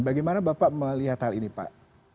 bagaimana bapak melihat hal ini pak